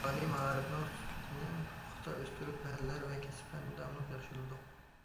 ئالىي مائارىپنىڭ سۈپىتىنى پۇختا ئۆستۈرۈپ، پەنلەر ۋە كەسىپلەرنى داۋاملىق ياخشىلىدۇق.